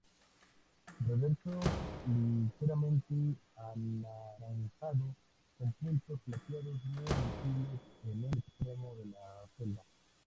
Reverso ligeramente anaranjado con puntos plateados, muy visibles, en el extremo de la celda.